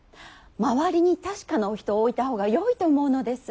周りに確かなお人を置いた方がよいと思うのです。